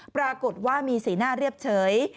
ปรากฏว่ามีสีหน้าเรียบเฉย